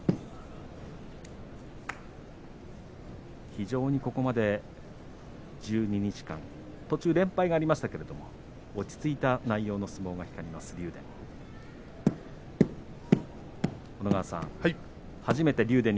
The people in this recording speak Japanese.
非常にここまで１２日間途中、連敗はありましたが落ち着いた内容の相撲が光ります竜電。